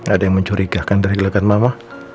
ada yang mencurigakan dari gerakan mama